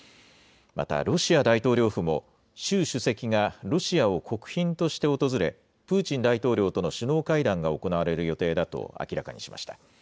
また、ロシア大統領府も、習主席がロシアを国賓として訪れ、プーチン大統領との首脳会談が行われる予定だと明らかにしました。